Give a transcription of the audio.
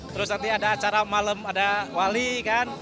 terus nanti ada acara malam ada wali kan